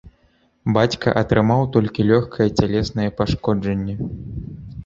Бацька атрымаў толькі лёгкае цялеснае пашкоджанне.